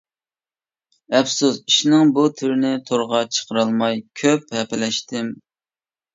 ئەپسۇس ئىشنىڭ بۇ تۈرىنى تورغا چىقىرالماي كۆپ ھەپىلەشتىم.